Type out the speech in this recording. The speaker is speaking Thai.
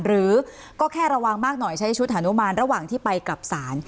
หรือก็แค่ระวังมากหน่อยใช้ชุดฮานุมานระหว่างที่ไปกลับศาล